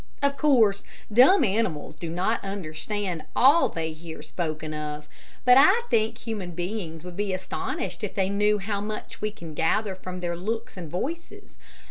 Of course dumb animals do not understand all that they hear spoken of; but I think human beings would be astonished if they knew how much we can gather from their looks and voices.